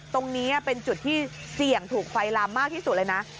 ตรงนี้เป็นจุดที่เสี่ยงถูกไฟลามมากที่สุดเลยนะ